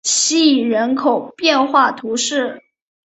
希伊人口变化图示